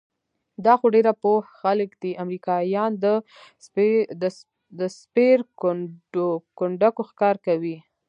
دا خو ډېر پوه خلک دي، امریکایان د سپېرکونډکو ښکار کوي؟